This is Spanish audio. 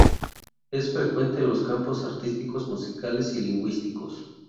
Es frecuente en los campos artísticos, musicales y lingüísticos.